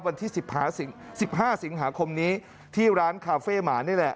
วันที่๑๕สิงหาคมนี้ที่ร้านคาเฟ่หมานี่แหละ